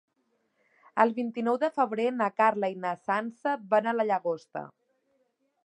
El vint-i-nou de febrer na Carla i na Sança van a la Llagosta.